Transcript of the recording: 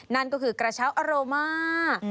นั่นก็คือกระเช้าอาโรมา